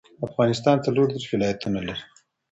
افغانستان څلور دیرش ولايتونه لري